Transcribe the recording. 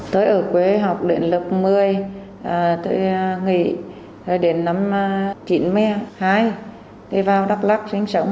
tới ở quê học điện lập một mươi tôi nghỉ đến năm chín mươi hai đi vào đắk lắc